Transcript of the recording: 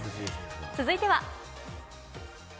続いては。